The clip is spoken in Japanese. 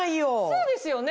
そうですよね。